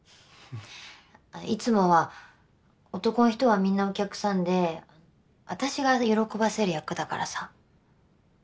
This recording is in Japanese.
いつもは男ん人はみんなお客さんで私が喜ばせる役だからさ。